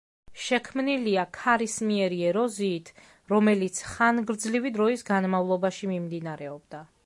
შექმნილია ქარისმიერი ეროზიით, რომელიც ხანგრძლივი დროის განმავლობაში მიმდინარეობდა.